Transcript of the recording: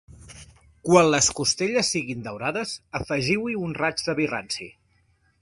Quan les costelles siguin daurades, afegiu-hi un raig de vi ranci.